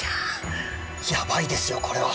やばいですよこれは。